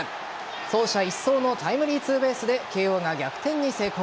走者一掃のタイムリーツーベースで慶応が逆転に成功。